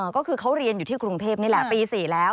ก็คือเขาเรียนอยู่ที่กรุงเทพนี่แหละปี๔แล้ว